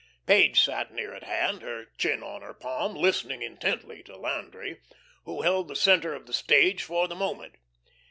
Page sat near at hand, her chin on her palm, listening intently to Landry, who held the centre of the stage for the moment.